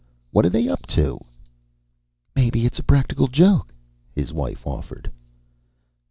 What are they up to?" "Maybe it's a practical joke," his wife offered.